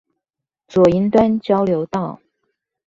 左營端交流道